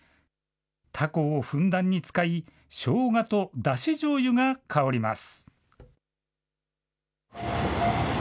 タコをふんだんに使い、しょうがとだしじょうゆが香ります。